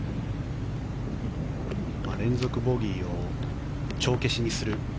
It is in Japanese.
連続ボギーを帳消しにする。